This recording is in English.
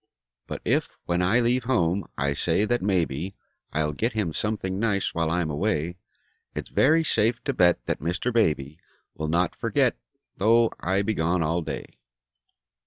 But if, when I leave home, I say that maybe I'll get him something nice while I'm away, It's very safe to bet that Mr. Baby Will not forget, though I be gone all day.